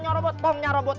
jangan jangan jangan